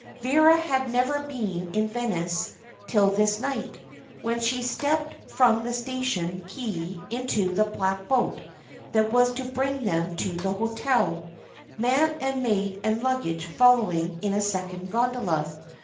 Vera had never been in Venice till this night, when she stepped from the station quay into the black boat that was to bring them to the hotel, man and maid and luggage following in a second gondola.